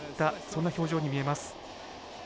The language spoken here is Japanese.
そんな表情に見えます。